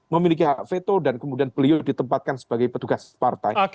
memiliki hak veto dan kemudian beliau ditempatkan sebagai petugas partai